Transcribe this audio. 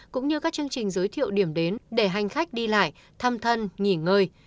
cũng như các chương trình giới thiệu điểm đến để hành khách đi lại thăm thân nghỉ ngơi